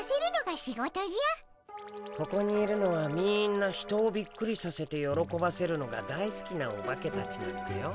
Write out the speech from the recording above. ここにいるのはみんな人をびっくりさせてよろこばせるのが大好きなオバケたちなんだよ。